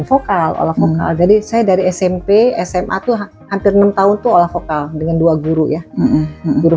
vokal olah vokal jadi saya dari smp sma tuh hampir enam tahun tuh olah vokal dengan dua guru ya guru